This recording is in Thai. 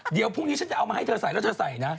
เดี๋ยวพรุ่งนี้ฉันจะเอามาให้เธอใส่แล้วเธอใส่นะ